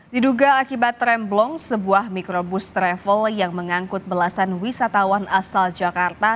diduga akibat remblong sebuah mikrobus travel yang mengangkut belasan wisatawan asal jakarta